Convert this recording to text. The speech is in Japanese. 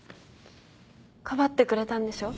かばってくれたんでしょ。